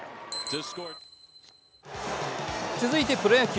続いてプロ野球。